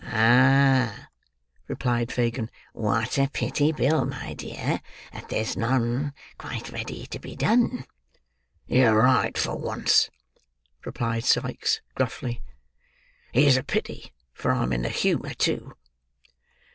"Ah!" replied Fagin. "What a pity, Bill, my dear, that there's none quite ready to be done." "You're right for once," replied Sikes gruffly. "It is a pity, for I'm in the humour too."